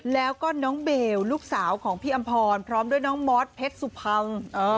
แล้วก็น้องเบลลูกสาวของพี่อำพรพร้อมด้วยน้องมอสเพชรสุพัง